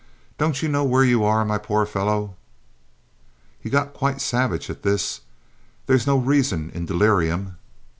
Don't you know where you are, my poor fellow?" He got quite savage at this. There's no reason in delirium!